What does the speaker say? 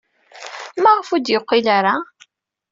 Maɣef ur d-yeqqil ara?